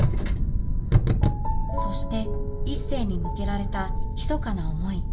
そして一星に向けられたひそかな思い